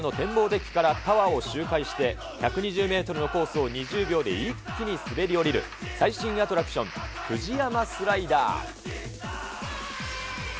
デッキからタワーを周回して、１２０メートルのコースを２０秒で一気に滑り降りる、最新アトラクション、フジヤマスライダー。